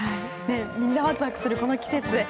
みんなワクワクするこの季節。